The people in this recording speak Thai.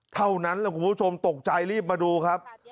เท่านั้นแหละคุณผู้ชมตกใจรีบมาดูครับ